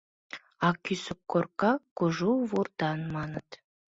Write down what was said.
А кӱсын корка кужу вурдан, маныт.